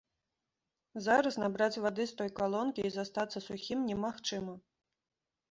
Зараз набраць вады з той калонкі і застацца сухім немагчыма.